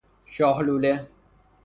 شاه لوله